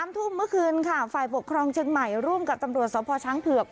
ทุ่มเมื่อคืนค่ะฝ่ายปกครองเชียงใหม่ร่วมกับตำรวจสพช้างเผือก